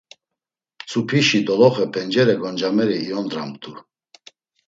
Mtzupişi doloxe pencere goncameri iyondramt̆u.